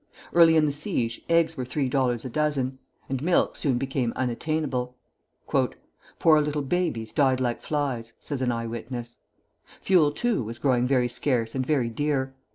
Early in the siege, eggs were three dollars a dozen, and milk soon became unattainable. "Poor little babies died like flies," says an eye witness. Fuel, too, was growing very scarce and very dear.